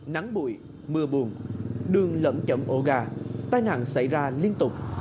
nắng bụi mưa buồn đường lẫn chậm ổ gà tai nạn xảy ra liên tục